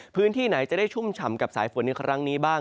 พื้นที่ไหนจะได้ชุ่มฉ่ำกับสายฝนในครั้งนี้บ้าง